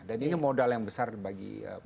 dan ini modal yang besar bagi politik luar negeri